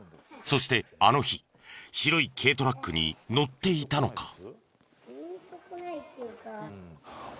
そしてあの日白い軽トラックに乗っていたのか。